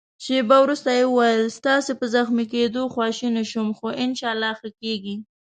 شېبه وروسته يې وویل: ستاسي په زخمي کېدو خواشینی شوم، خو انشاالله ښه کېږې.